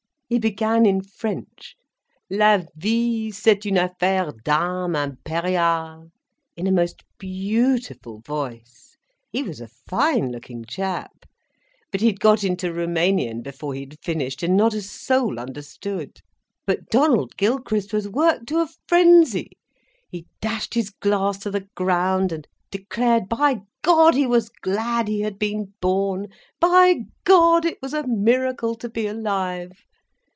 He began in French—La vie, c'est une affaire d'âmes impériales—in a most beautiful voice—he was a fine looking chap—but he had got into Roumanian before he had finished, and not a soul understood. But Donald Gilchrist was worked to a frenzy. He dashed his glass to the ground, and declared, by God, he was glad he had been born, by God, it was a miracle to be alive.